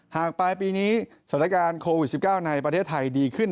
ปลายปีนี้สถานการณ์โควิด๑๙ในประเทศไทยดีขึ้น